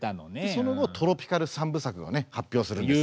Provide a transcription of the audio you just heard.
その後トロピカル３部作をね発表するんですよ。